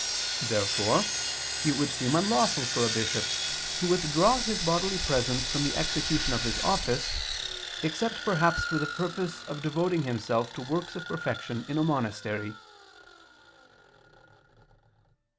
Therefore it would seem unlawful for a bishop to withdraw his bodily presence from the execution of his office, except perhaps for the purpose of devoting himself to works of perfection in a monastery.